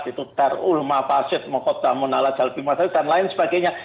itu darul mafasyid mokot damun aladzal bimuazadzal dan lain sebagainya